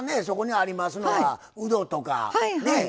そこにありますのはうどとかね